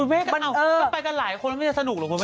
มันไปกันหลายคนแล้วมันไม่ได้สนุกหรอกคุณเมฆ